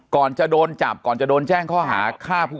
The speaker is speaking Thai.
ก่อนจะโดนจับก่อนจะโดนแจ้งข้อหาฆ่าผู้